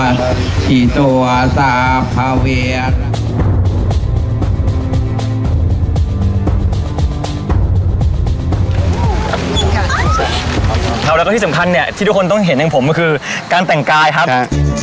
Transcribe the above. ครับที่สำคัญเนี่ยที่ทุกคนต้องเห็นอย่างผมก็คือการแต่งกายครับ